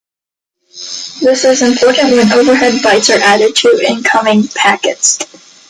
This is important when overhead bytes are added to incoming packets.